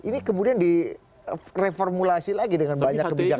ini kemudian direformulasi lagi dengan banyak kebijakan